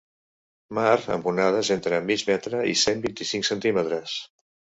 Mar amb onades entre mig metre i cent vint-i-cinc centímetres.